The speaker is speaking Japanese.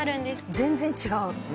全然違う。